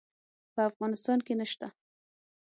په افغانستان کې نشته